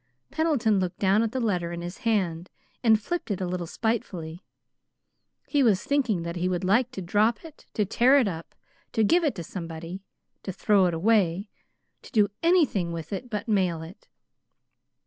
Pendleton looked down at the letter in his hand and flipped it a little spitefully. He was thinking that he would like to drop it, to tear it up, to give it to somebody, to throw it away, to do anything with it but mail it.